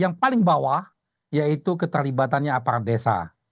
yang paling bawah yaitu keterlibatannya aparat desa